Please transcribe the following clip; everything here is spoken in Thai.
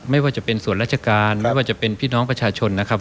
ไม่ว่าจะเป็นส่วนราชการไม่ว่าจะเป็นพี่น้องประชาชนนะครับ